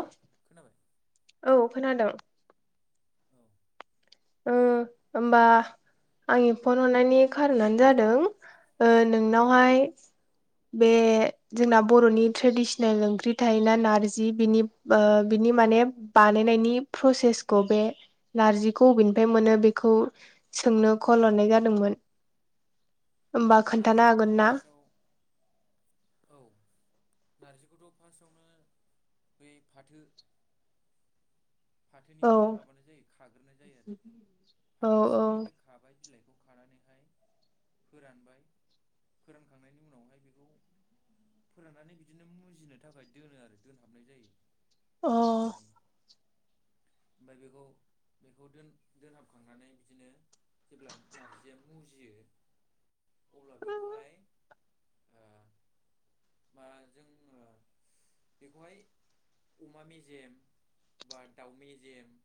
अ [unintelligible] खोनाबाय औ खोनादों औ ओ होमबा आंनि फन हरनायनि खारनआनो जादों नोंनावहाय बे जोंना बर'नि ट्रेडिसनेल ओंख्रि थायोना नारजि बेनि बिनि माने बानायनायनि प्रसेसखौ बे नारजि अबेनिफ्राय मोनो बेखौ सोंनो कल हरनाय जादोंमोन होमबा खोन्थानो नारजिखौथ' हागोन ना फार्स्टआव औ नारजिखौथ' फार्स्टआवनो बै फाथो [inaudible] औ फाथोनिफ्राय माबानाय जायो खाग्रोनाय जायो आरो औ फाथो औ फिफांनिफ्राय खाबाय बिलाइखौ खानानैहाय फोरानबाय फोरानखांनायनि उनावहाय बेखौ फोराननानै बिदिनो मुजिनो थाखाय दोनो आरो दोनहाबनाय जायो। सिमला अ मानि ओमफ्राय बेखौ बेखौ दोनहाबखांनानै बिदिनो जेब्ला नारजिया मुजियो अब्ला बेखौहाय मा जों बेखौहाय अमा मेजेम बा दाउ मेजेम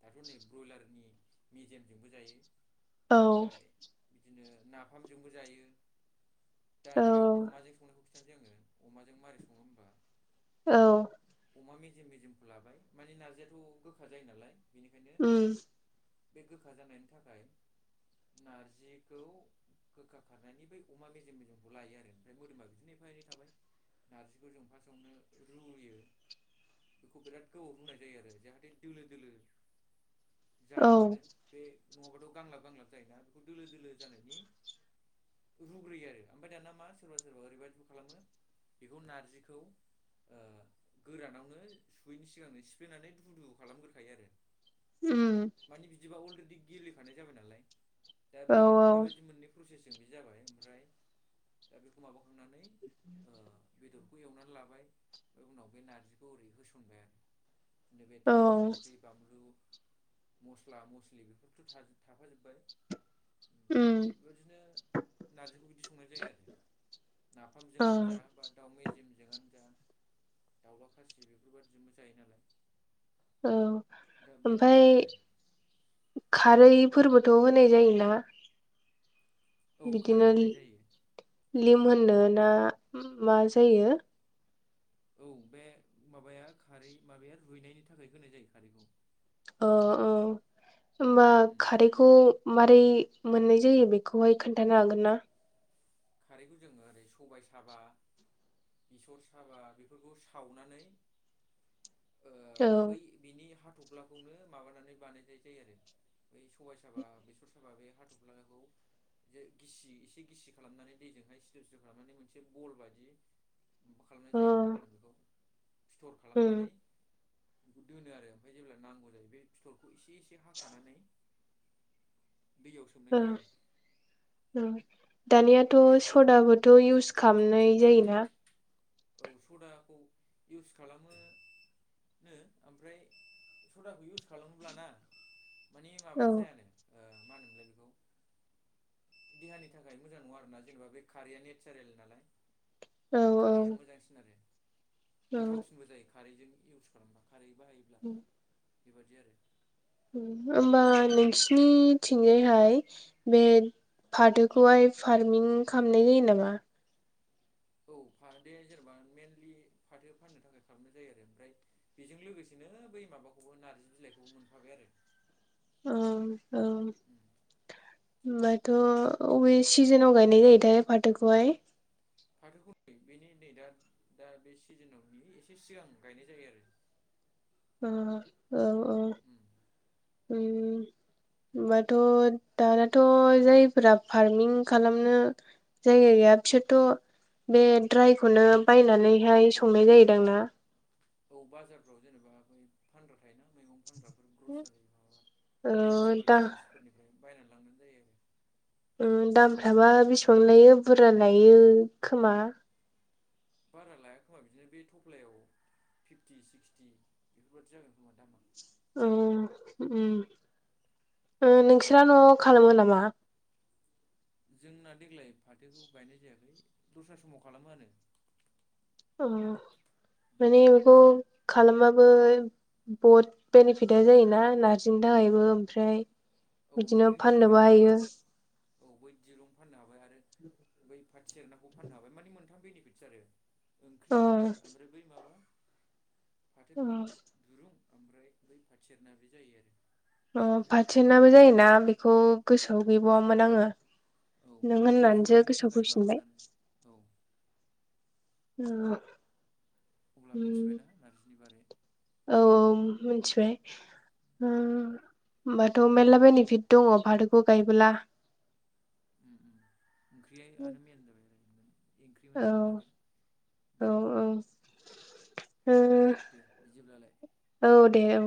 दाथ' नै ब्रयलारनि मेजेमजोंबो जायो औ ओमफ्राय बिदिनो नाफामजोंबो जायो दा नैबे अमाजों संनायखौ बिनो जोङो अमाजों माबोरै सङो होमबा औ अमा मेजेम मेजेमखौ लाबाय माने नारजियाथ' गोखा जायो नालाय बेनिखायनो उम बे गोखा जानायनि थाखाय नारजिखौ गोखा खारनायनि बै अमा मेजेम मेजेमखौ लायो आरो ओमफ्राय मोदोमा बिदिनो एफा एनै थाबाय नारजिखौ जों फार्स्टआवनो रुयो बेखौ बिराद गोबाव होनाय जायो आरो जाहाथे दोलो दोलो औ जायो नालाय बे नङाब्लाथ' गांलाब गांलाब जायोना बेखौ दोलो दोलो जानायनि रुग्रोयो आरो ओमफ्राय दाना मा सोरबा सोरबा ओरैबायदिबो खालामो बेखौ नारजिखौ गोरानावनो सुहैनि सिगांनो सिफ्लेनानै दुफु दुफु खालामग्रोखायो आरो उम बिफानि बिदिबा अलरेडि गेबलेखानाय जाबाय नालाय दा औ बे बेबायदि मोननै प्रसेसजों बि जाबाय ओमफ्राय दा बेखौ माबाखांनानै बेदरखौ एवनानै लाबाय ओमफ्राय उनाव बे नारजिखौ ओरै होसनबाय आरो बिदिनो बे औ थाव संख्रि बानलु मस्ला मस्लि बेफोरथ' थाफाजोब्बाय ओमफ्राय उम बेबायदिनो नारजिखौ बिदि संनाय जायो आरो नाफामजोंआनो औ जा बा दाउ मेजेमजोंआनो जा दाउला खासि बेफोरबायाददिजोंबो जायो नालाय औ दा ओमफ्राय बेबादिनो आरो खारैफोरबोथ' होनाय जायोना औ खारै बिदिनो होनाय जायो लिमोननो ना मा जायो औ बे माबाया खारै माबाया रुइनायनि थाखाय होनाय जायो खारैखौ अ अ होनबा उम खार बेखौ माबारै मोननाय जायो बेखौहाय खोन्थानो हागोन ना खारैखौ जोङो ओरै सबाय साबा बेसर साबा बेफोरखौ सावनानै औ बै बिनि हाथ'फ्लाखौनो माबानानै बानायनाय जायो आरो बै सबाय साबा बेसर साबा बे हाथ'फ्लाखौ ज गिसि एसे गिसि खालामनानै दैजोंहाय सिथोव सिथ' खालामनानै मोनसे बल बायदि मा खालामनाय अ जायो मा होनो बेखौ सिथर उम खालामनानै बेखौ दोनो आरो ओमफ्राय जेब्ला नांगौ जायो बे फिथलखौ एसे एसे हाखानानै दैयाव सोमनाय जायो अ दानियाथ' दैयाव सोम सदाबोथ' इउस खालामनाय जायोना औ सदाखौ इउस खालामो नो ओमफ्राय सदाखौ इउस खालामोब्ला ना माने औ माबा जायानो ओ मा होनोमोनलाय बेखौ देहानि थाखाय मोजां नङा आरोना जेनेबा बे खारैया नेचारेल नालाय औ ओ खारैआ औ मोजांसिन आरो औ गोथावसिन। जबो जायो खारैजों इउस खालामबा खारै बाहायोब्ला बेबादि आरो होमबा नोंसिनिथिंजायहाय बे फाथोखौहाय फार्मिं खालामनाय जायो नामा औ फाथो जेनेबा मेइेनलि फाथो फाननो थाखाय खालामनाय जायो आरो ओमफ्राय बेजों लोगोसेनो बै माबाखौबो नार्जि बिलाइखौबो मोनफाबाय आरो अ औ उम होमबाथ' अबे सिजोनाव गायनाय जायोथाय फाथोखौहाय फाथोखौ [unintelligible] बेनि नै दा दा बे सिजोनाव बि एसे सिगां गायनाय जायो आरो अ औ उम औ होनबाथ' दानाथ' जायफोरा फार्मिं खालामनो जायगा गैया बिसोरथ' बे द्रायखौनो बायनानैहाय संनाय जायोदांं ना औ बाजारफ्राव जेनेबा बै फानग्रा थायोना मैगं फानग्राफोर ग्रसारि माबा ओ भेजिटेबोल दा स्टरस फोरनिफ्राय बायनानै लांगोन जायो आरो ओ दामफ्राबा बेसेबां लायो बुरजा लायो खोमा बारा लाया खोमा बिदिनो बे थफ्लायाव फिफटि सिक्सटि बेफोरबादि जागोन खोमा दामा औ उम ओ नोंसोरा न'आव खालामो नामा? जोंना देग्लाय फाथोखौ गायनाय जायाखै दस्रा समाव खालामोआनो अ उम माने बेखौ खालामबाबो बहुद बेनिफिटा जायोना नारजिनि थाखायबो ओमफ्राय औ बिदिनो ओंख्रिनि थाखाय फाननोबो जाबाय हायो। आरो औ बै दिरुं फाननो हाबाय आरो बै फाथो सेर नाखौ फाननो हाबाय माने मोनथाम बेनिफिटस आरो ओंख्रि अ ओमफ्राय बै माबा फाथो अ दुरुं ओमफ्राय बै फाथो सेरना बे जायो आरो अ बेबायदि फाथोनाबो जायोना बेखौ गोसोआव गैबावामोन आङो औ नों बे अर होननानैसो जरायनो गोसोआव थाखाय फैफिनबाय। माबानानै औ ओ अब्ला मिथिबायना नार्जिनि बारै औ मिथिबाय। उम होमबाथ' मेर्ला बेनिफिट दङ फाथोखौ गायबोला उम ओंख्रियानो मेन जाबाय आरो ओंख्रि औ मोनजाबाय नालाय ओ दे बिदिब्लालाय औ दे औ